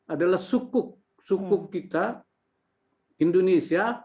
adalah sukuk sukuk kita indonesia